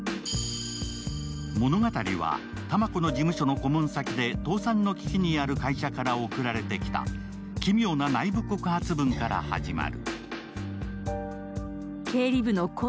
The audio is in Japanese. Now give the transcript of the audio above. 物語は玉子の事務所の顧問先で倒産の危機にある会社から送られてきた奇妙な内部告発文から始まる。